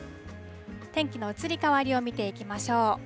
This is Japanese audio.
天気の移り変わりを見ていきましょう。